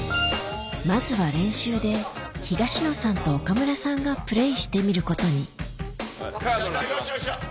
まずは練習で東野さんと岡村さんがプレーしてみることによしよっしゃ。